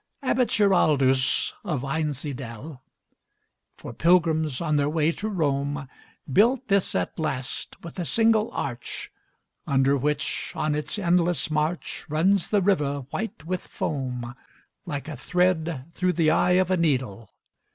LUCIFER, under the bridge. Ha! ha! GUIDE. Abbot Giraldus of Einsiedel, For pilgrims on their way to Rome, Built this at last, with a single arch, Under which, on its endless march, Runs the river, white with foam, Like a thread through the eye of a needle.